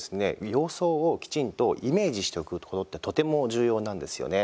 様相をきちんとイメージしておくことってとても重要なんですよね。